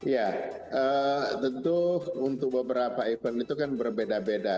ya tentu untuk beberapa event itu kan berbeda beda